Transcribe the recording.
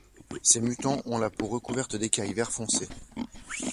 Ces mutants ont la peau recouverte d'écailles vert foncé.